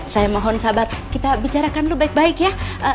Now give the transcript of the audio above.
saya mohon sabar kita bicarakan lu baik baik ya